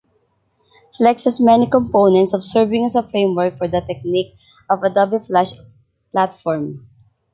Flex has many components serving as framework for the technique of Adobe Flash Plattform.